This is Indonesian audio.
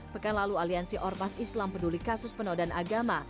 pekan lalu aliansi ormas islam peduli kasus penodan agama